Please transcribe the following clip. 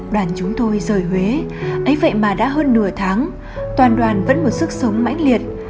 đoàn chúng tôi rời huế ấy vậy mà đã hơn nửa tháng toàn đoàn vẫn một sức sống mãnh liệt